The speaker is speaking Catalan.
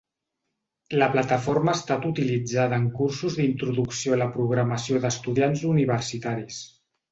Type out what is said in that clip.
La plataforma ha estat utilitzada en cursos d'introducció a la programació d'estudiants universitaris.